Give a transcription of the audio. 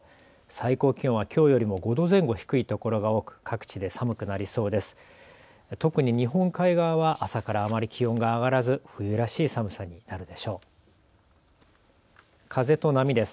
最高気温はきょうよりも５度前後低い所が多く各地で寒くなりそうです。